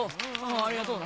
ありがとうな。